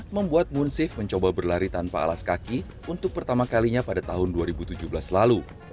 membuat munsif mencoba berlari tanpa alas kaki untuk pertama kalinya pada tahun dua ribu tujuh belas lalu